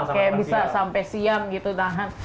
kayak bisa sampai siang gitu tahan